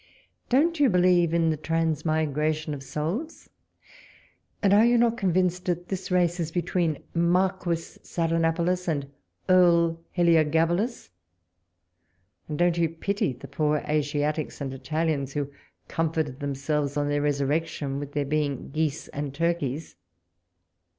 Don't you believe in the transmigra tion of souls '] And are not you convinced that this race is between Marquis Sardanapalus and Earl Heliogabalus'? And don't you pity the poor Asiatics and Italians who comforted them selves on their resurrection with their being geese and turkeys